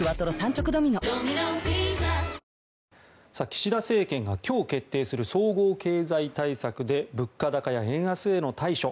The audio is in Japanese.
岸田政権が今日、決定する総合経済対策で物価高や円安への対処